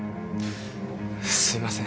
すいません